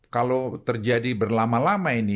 kalau terjadi berlama lama ini